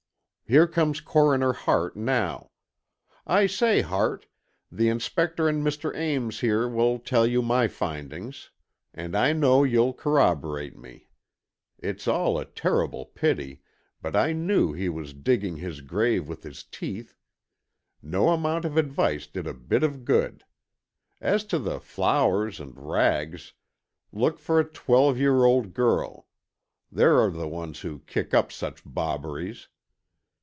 Here comes Coroner Hart now. I say, Hart, the Inspector and Mr. Ames here will tell you my findings, and I know you'll corroborate me. It's all a terrible pity, but I knew he was digging his grave with his teeth. No amount of advice did a bit of good. As to the flowers and rags, look for a twelve year old girl.... There are the ones who kick up such bobberies.